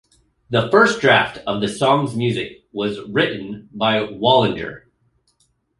The first draft of the song's music was written by Wallinger.